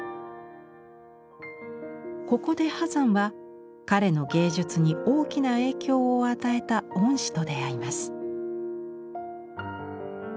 ここで波山は彼の芸術に大きな影響を与えた恩師と出会います。